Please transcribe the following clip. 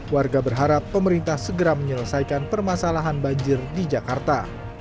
warga berharap pemerintah segera menyelesaikan permasalahan banjir di jakarta